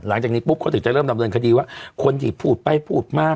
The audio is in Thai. หลังจากนี้ปุ๊บเขาถึงจะเริ่มดำเนินคดีว่าควรหยิบภูตรไปภูตรมาก